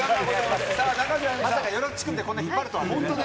さあ、中条さんのよろちくびで、こんなに引っ張るとは。